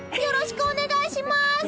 よろしくお願いします！